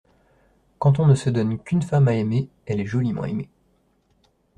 Quand on ne se donne qu’une femme à aimer, elle est joliment aimée.